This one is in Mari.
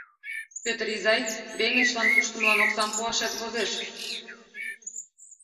Пӧтыр изай, веҥычлан куштымылан оксам пуашет возеш...